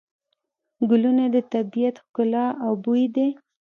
ګلونه د طبیعت ښکلا او بوی دی.